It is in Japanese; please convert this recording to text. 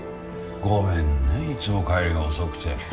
ごめんねいつも帰りが遅くて。